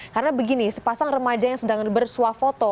karena begini sepasang remaja yang sedang bersuafoto